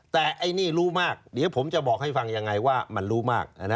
แต่ไอ้นี่รู้มากเดี๋ยวผมจะบอกให้ฟังยังไงว่ามันรู้มาก